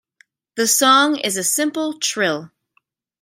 The song is a simple trill.